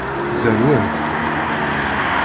Zerwen-t.